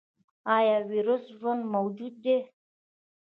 ایا ویروس ژوندی موجود دی؟